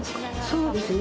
そうですね。